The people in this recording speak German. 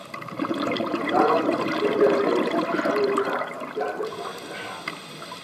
Rang in der Tennis-Schulcup-Landesmeisterschaft.